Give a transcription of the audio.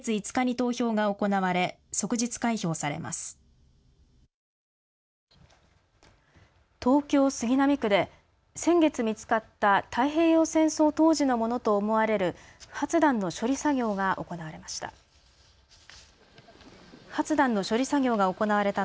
東京杉並区で先月見つかった太平洋戦争当時のものと思われる不発弾の処理作業が行われました。